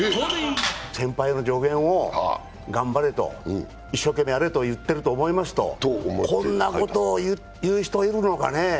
先輩の助言を頑張れと、一生懸命やれと言っていると思いますと、こんなことを言う人いるのかね。